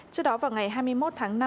trước đó vào ngày hai mươi một tháng